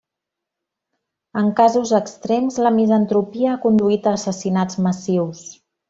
En casos extrems, la misantropia ha conduït a assassinats massius.